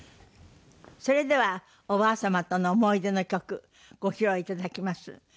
それではおばあ様との思い出の曲ご披露いただきます。